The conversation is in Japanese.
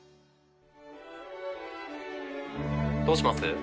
どうします？